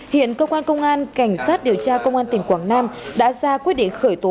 hiện cơ quan công an cảnh sát điều tra công an tỉnh quảng nam đã ra quyết định khởi tố